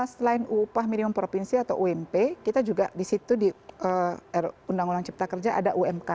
selain ruu cipta kerja atau ump kita juga di ruu cipta kerja ada umk